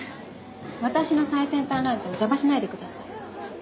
私の最先端ランチを邪魔しないでください。